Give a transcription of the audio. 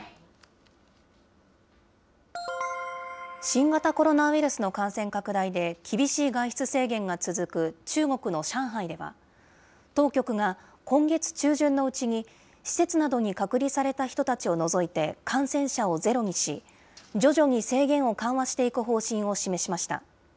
新型コロナウイルスの感染拡大で、厳しい外出制限が続く中国の上海では、当局が今月中旬のうちに、施設などに隔離された人たちを除いて、感染者をゼロにし、徐々に制限を緩和していく方針を示しました。